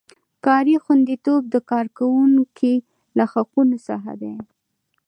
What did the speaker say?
کاري خوندیتوب د کارکوونکي له حقونو څخه دی.